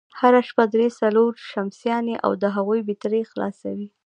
هره شپه درې، څلور شمسيانې او د هغوی بېټرۍ خلاصوي،